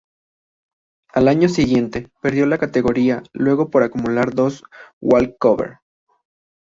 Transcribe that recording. Al año siguiente perdió la categoría luego por acumular dos walkover.